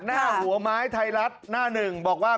หน้าหัวไม้ไทยรัฐหน้าหนึ่งบอกว่า